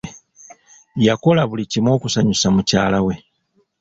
Yakola buli kimu okusanyusa mukyala we.